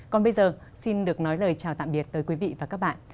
còn bây giờ xin được nói lời chào tạm biệt tới quý vị và các bạn